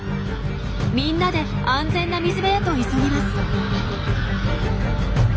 みんなで安全な水辺へと急ぎます。